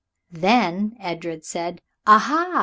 Then Edred said, "Aha!"